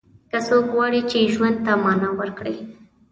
که څوک غواړي چې ژوند ته معنا ورکړي.